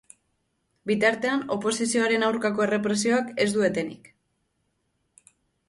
Bitartean, oposizioaren aurkako errepresioak ez du etenik.